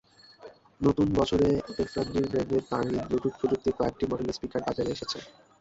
নতুন বছরে এফঅ্যান্ডডি ব্র্যান্ডের তারহীন ব্লুটুথ প্রযুক্তির কয়েকটি মডেলের স্পিকার বাজারে আসছে।